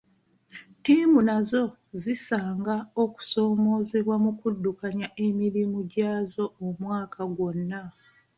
Ttiimu nazo zisanga okusoomoozebwa mu kuddukanya emirimu gyazo omwaka gwonna.